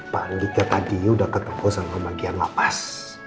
pak andika tadi udah ketemu sama bagian lapas